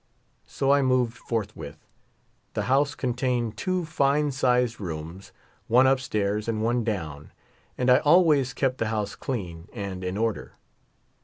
So I moved forthwith. The house contained two fine sized rooms, one up stairs and one down, and I always kept the house clean and in order.